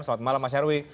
selamat malam mas nyarwi